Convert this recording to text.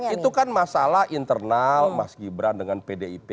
itu kan masalah internal mas gibran dengan pdip